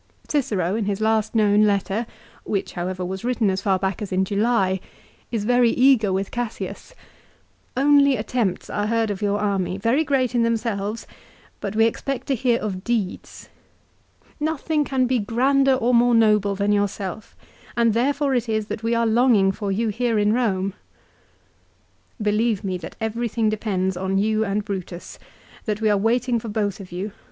Cicero in his last known letter, which however was written as far back as in July, is very eager with Cassius. " Only attempts are heard of your army, very great in themselves, but we expect to hear of deeds." " Nothing can be grander or more noble than yourself, and therefore it is that we are longing for you here in Eome." " Believe me that everything depends on you and Brutus, that we are waiting for both of you.